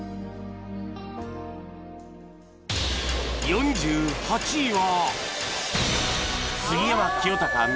４８位は